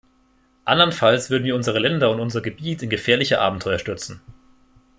Andernfalls würden wir unsere Länder und unser Gebiet in gefährliche Abenteuer stürzen.